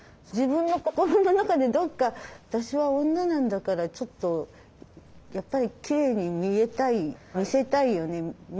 自分の心の中でどっか「私は女なんだからちょっとやっぱりきれいに見えたい見せたいよね